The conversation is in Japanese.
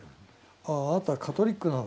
「あああなたカトリックなのか」